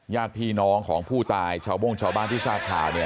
ญาติพี่น้องของผู้ตายชาวโม่งชาวบ้านที่ซาสคา